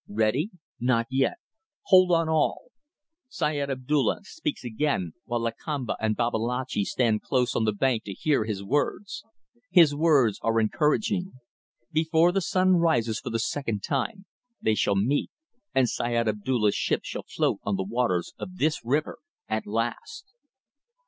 Ready? Not yet. Hold on all! Syed Abdulla speaks again, while Lakamba and Babalatchi stand close on the bank to hear his words. His words are encouraging. Before the sun rises for the second time they shall meet, and Syed Abdulla's ship shall float on the waters of this river at last!